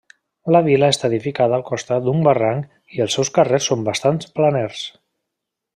La vila està edificada al costat d'un barranc i els seus carrers són bastants planers.